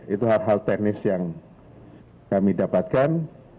itu hal hal teknis yang kami dapatkan